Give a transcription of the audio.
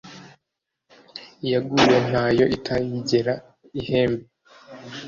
iyaguye ntayo itayigera ihembe